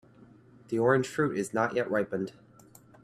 The orange fruit is not yet ripened.